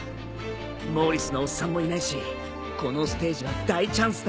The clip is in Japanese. モーリスのおっさんもいないしこのステージは大チャンスなんだ。